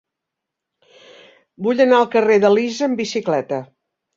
Vull anar al carrer d'Elisa amb bicicleta.